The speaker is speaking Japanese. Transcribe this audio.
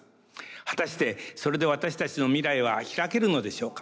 果たしてそれで私たちの未来は開けるのでしょうか。